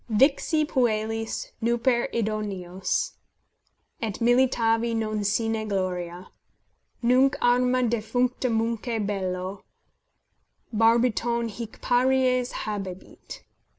"Vixi puellis nuper idoneus, Et militavi non sine gloria; Nunc arma defunctumque bello Barbiton hic paries habebit."